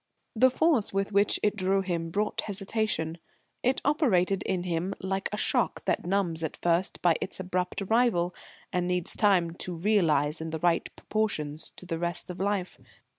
The force with which it drew him brought hesitation. It operated in him like a shock that numbs at first by its abrupt arrival, and needs time to realise in the right proportions to the rest of life.